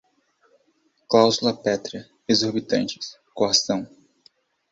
cláusula pétrea, exorbitantes, coação